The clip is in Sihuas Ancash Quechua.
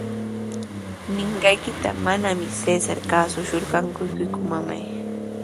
Ninqaykita manami Cesar kaasurqanku, mamay.